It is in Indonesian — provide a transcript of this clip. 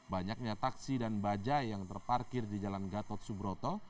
banyaknya taksi dan bajai yang terparkir di jalan gatot subroto